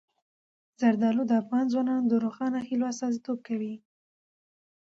زردالو د افغان ځوانانو د روښانه هیلو استازیتوب کوي.